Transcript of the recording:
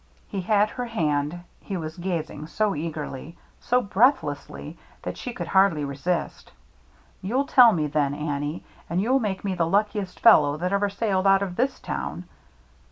He had her hand; he was gazing so eagerly, so breathlessly, that AT THE HOUSE ON STILTS 77 she could hardly resist. " You'll tell me then, Annie, and you'll make me the luckiest fel low that ever sailed out of this town.